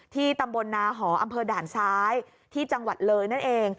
ที่ตำบลนาหออดซ้ายที่จังหวัดเลยนั่นเอง